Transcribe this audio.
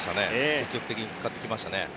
積極的に使ってきましたね。